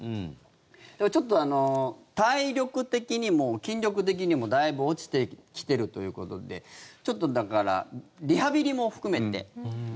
ちょっと体力的にも筋力的にもだいぶ落ちてきているということでちょっと、だからリハビリも含めて。